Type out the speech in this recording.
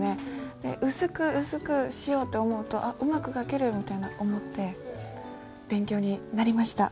で薄く薄くしようと思うと「あっうまく書ける」みたいな思って勉強になりました。